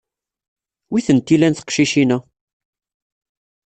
Wi tent-illan teqcicin-a?